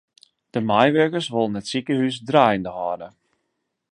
De meiwurkers wolle it sikehús draaiende hâlde.